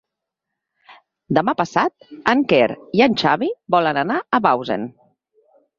Demà passat en Quer i en Xavi volen anar a Bausen.